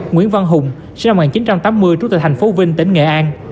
nguyễn văn hùng sinh năm một nghìn chín trăm tám mươi trú tại thành phố vinh tỉnh nghệ an